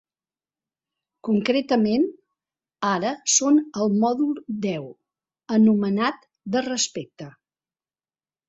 Concretament, ara són al mòdul deu, anomenat ‘de respecte’.